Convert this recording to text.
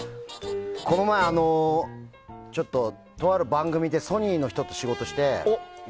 この前、とある番組でソニーの人と仕事して。